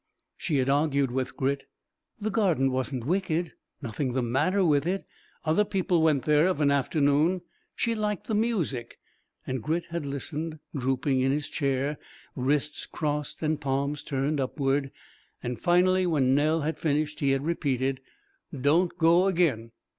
She had argued with Grit. The Garden wasn't wicked; nothing the matter with it; other people went there of an afternoon; she liked the music.... And Grit had listened, drooping in his chair, wrists crossed and palms turned upward. Finally, when Nell had finished, he had repeated, "Don't go again."